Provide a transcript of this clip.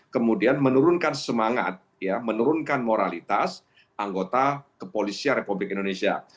kemudian menurunkan semangat ya menurunkan moralitas anggota kepolisian republik indonesia